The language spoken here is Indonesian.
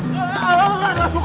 aduh kagak suka goyang aja aduh